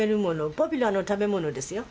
ポピュラーな食べ物ですよ。